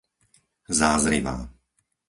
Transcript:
Zázrivá